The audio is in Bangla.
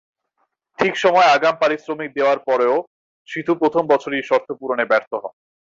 ঠিক সময়ে আগাম পারিশ্রমিক দেওয়ার পরও সিধু প্রথম বছরেই শর্ত পূরণে ব্যর্থ হন।